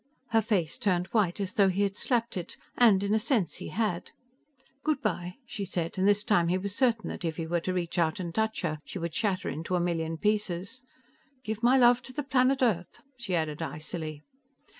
Her face turned white as though he had slapped it, and in a sense, he had. "Good by," she said, and this time he was certain that if he were to reach out and touch her, she would shatter into a million pieces. "Give my love to the planet Earth," she added icily.